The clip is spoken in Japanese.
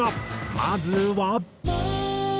まずは。